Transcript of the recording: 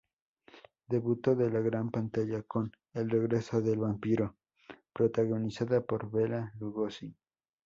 Debutó en la gran pantalla con" El Regreso del Vampiro," protagonizada por Bela Lugosi.